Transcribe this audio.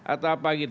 atau apa gitu